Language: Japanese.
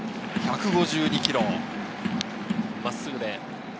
１５２キロ、真っすぐです。